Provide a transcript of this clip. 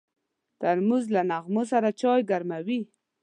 ترموز له نغمو سره چای ګرموي.